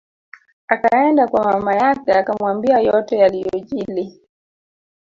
Akaenda kwa mama yake akamwambia yote yaliyojili